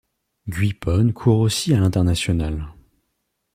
Giuppone court aussi à l'international.